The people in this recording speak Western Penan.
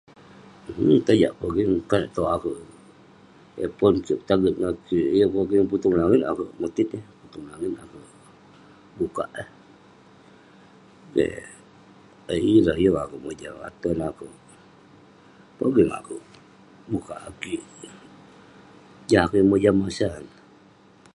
Owk, yeng tajak pogeng. Konak tog akouk itouk, dan pun taget ngan kik, yeng putung putung langit akouk motit eh, putung langit akouk bukak eh. Dei- eh ireh, yeng akouk mojam. Ater neh akouk, pogeng akouk bukak akik. Jah akouk yeng mojam. [unintelligible]